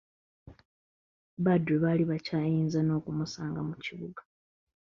Badru baali bakyayinza n'okumusanga mu kibuga.